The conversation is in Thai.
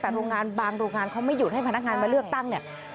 แต่บางโรงงานเขาไม่หยุดให้พนักงานมาเลือกตั้ง